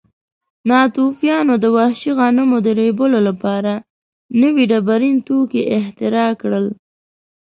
ناتوفیانو د وحشي غنمو د ریبلو لپاره نوي ډبرین توکي اختراع کړل.